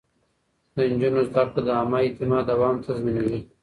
د نجونو زده کړه د عامه اعتماد دوام تضمينوي.